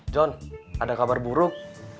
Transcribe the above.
jon ada kabar buruk